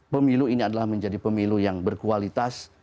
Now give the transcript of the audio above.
pemilu ini adalah menjadi pemilu yang berkualitas